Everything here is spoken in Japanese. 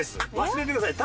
忘れてください。